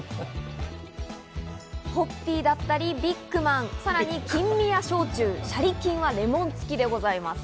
ホッピーだったりビッグマン、さらにキンミヤ焼酎、シャリキンはレモン付きでございます。